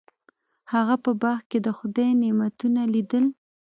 هغه په باغ کې د خدای نعمتونه لیدل.